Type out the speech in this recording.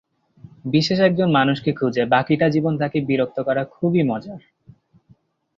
বিশেষ একজন মানুষকে খুঁজে বাকিটা জীবন তাকে বিরক্ত করা খুবই মজার।